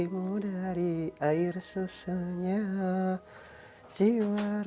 semoga colleen lagi membatalkan dekat face of her